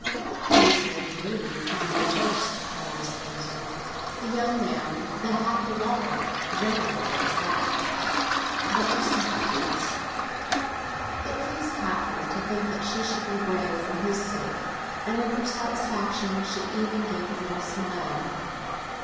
"It is very good of you to do it first," Morris answered. "The young man—the happy lover—generally does that. But just as you please!" It pleased Catherine to think that she should be brave for his sake, and in her satisfaction she even gave a little smile.